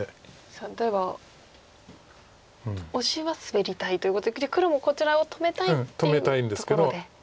さあではオシはスベりたいということで黒もこちらを止めたいっていうところで悩んでるんですか。